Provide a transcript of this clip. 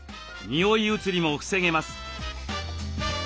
匂い移りも防げます。